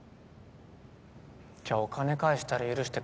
じゃあお金返したら許してくれますか？